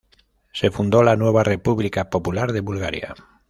Se fundó la nueva República Popular de Bulgaria.